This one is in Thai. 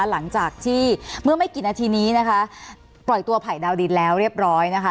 หลังจากที่เมื่อไม่กี่นาทีนี้นะคะปล่อยตัวไผ่ดาวดินแล้วเรียบร้อยนะคะ